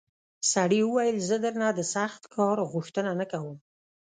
سړي وویل زه درنه د سخت کار غوښتنه نه کوم.